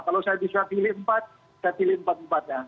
kalau saya bisa pilih empat saya pilih empat empat ya